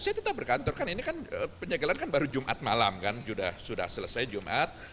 saya tetap berkantor penyegelan kan baru jumat malam sudah selesai jumat